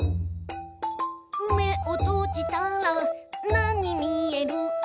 「めをとじたらなにみえる？」